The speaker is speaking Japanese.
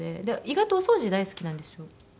意外とお掃除大好きなんですよ。